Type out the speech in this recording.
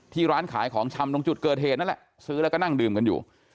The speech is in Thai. ร้านขายของชำตรงจุดเกิดเหตุนั่นแหละซื้อแล้วก็นั่งดื่มกันอยู่